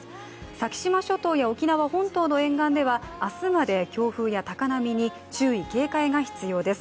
先島諸島や沖縄本島の沿岸では明日まで強風や高波に注意・警戒が必要です。